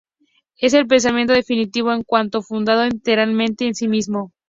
Es el pensamiento definitivo en cuanto fundado enteramente en sí mismo.